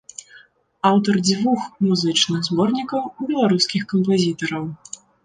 Аўтар дзвюх музычных зборнікаў беларускіх кампазітараў.